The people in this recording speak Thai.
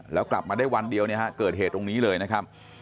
แล้วกลับมาได้วันเดียวเนี่ยฮะเกิดเหตุตรงนี้เลยนะครับ